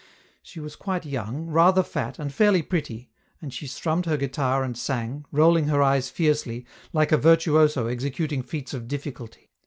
She was quite young, rather fat, and fairly pretty, and she strummed her guitar and sang, rolling her eyes fiercely, like a virtuoso executing feats of difficulty.